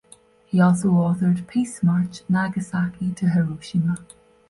He also authored "Peace March: Nagasaki to Hiroshima".